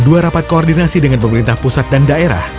dua rapat koordinasi dengan pemerintah pusat dan daerah